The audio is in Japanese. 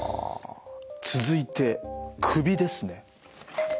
続いて首ですね。